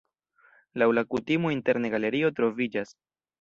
Laŭ la kutimo interne galerio troviĝas.